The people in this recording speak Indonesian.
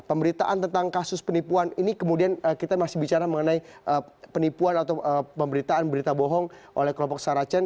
pemberitaan tentang kasus penipuan ini kemudian kita masih bicara mengenai penipuan atau pemberitaan berita bohong oleh kelompok saracen